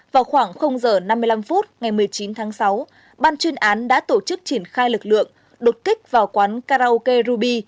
vào khoảng giờ năm mươi năm phút ngày một mươi chín tháng sáu ban chuyên án đã tổ chức triển khai lực lượng đột kích vào quán karaoke ruby